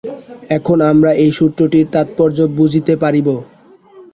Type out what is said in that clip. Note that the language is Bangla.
এখন আমরা এই সূত্রটির তাৎপর্য বুঝিতে পারিব।